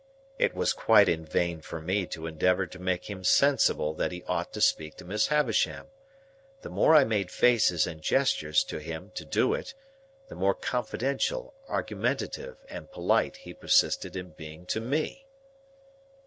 It was quite in vain for me to endeavour to make him sensible that he ought to speak to Miss Havisham. The more I made faces and gestures to him to do it, the more confidential, argumentative, and polite, he persisted in being to Me.